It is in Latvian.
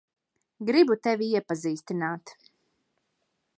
Gribu tevi iepazīstināt.